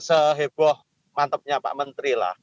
seheboh mantepnya pak menteri lah